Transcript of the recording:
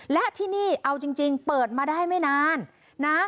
และที่นี่เอาจริงเปิดมาได้ไม่นานนะ